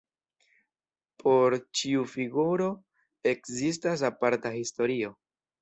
Por ĉiu figuro ekzistas aparta historio.